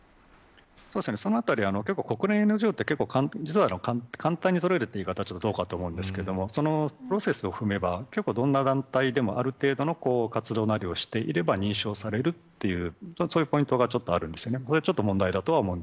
そのあたり結構国連ＮＧＯって実は簡単に取れると言い方はどうかと思いますがプロセスを踏めば結構どんな団体でもある程度の活動なりをしていれば認証されるというそういうポイントがちょっとあるんですね。